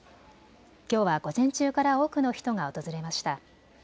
きょうは午前中から多くの人が訪れました。